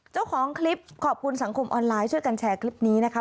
เจ้าของคลิปขอบคุณสังคมออนไลน์ช่วยกันแชร์คลิปนี้นะคะ